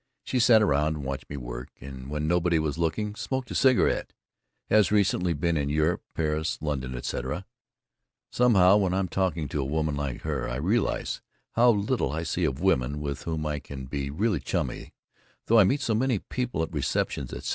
She sat around and watched me work, and when nobody was looking smoked a cigarette. Has recently been in Europe, Paris, London, etc. Somehow when I'm talking to a woman like her I realize how little I see of women with whom I can be really chummy, tho I meet so many people at receptions etc.